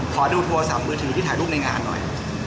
ขอดูโทรศัพท์มือถือที่ถ่ายรูปในงานหน่อย